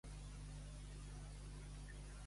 A tall d'excusa.